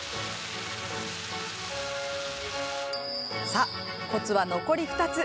さあ、コツは残り２つ。